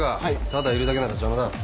ただいるだけなら邪魔だ。